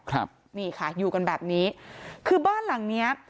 ครับนี่ค่ะอยู่กันแบบนี้คือบ้านหลังเนี้ย